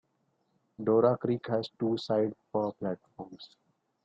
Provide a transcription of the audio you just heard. Dora Creek has two side platforms.